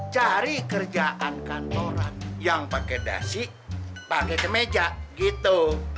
cari kerjaan kantoran yang pakai dasi pakai kemeja gitu